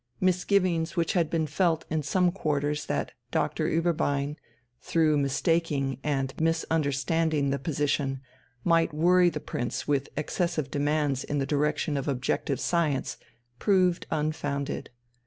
Misgivings which had been felt in some quarters that Doctor Ueberbein, through mistaking and misunderstanding the position, might worry the Prince with excessive demands in the direction of objective science, proved unfounded.